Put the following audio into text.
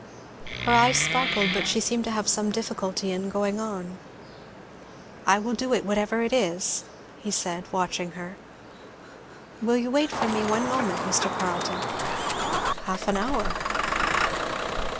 Her eyes sparkled, but she seemed to have some difficulty in going on. "I will do it, whatever it is," he said watching her. "Will you wait for one moment, Mr. Carleton?" "Half an hour."